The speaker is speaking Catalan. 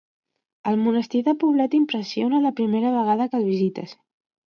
El monestir de Poblet impressiona la primera vegada que el visites.